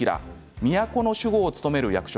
都の守護を務める役職